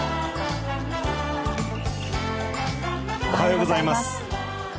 おはようございます。